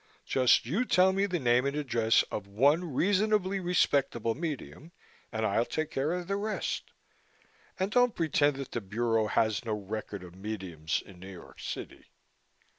"Just you tell me the name and address of one reasonably respectable medium and I'll take care of the rest. And don't pretend that the Bureau has no record of mediums in New York City."